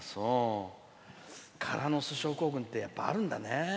空の巣症候群ってやっぱあるんだね。